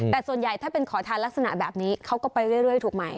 แต่ส่วนใหญ่ถ้าเป็นขอทานลักษณะแบบนี้เขาก็ไปเรื่อยถูกไหม